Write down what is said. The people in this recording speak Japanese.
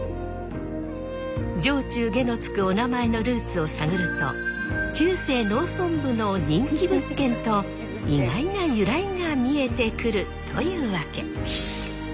上中下の付くおなまえのルーツを探ると中世農村部の人気物件と意外な由来が見えてくるというわけ。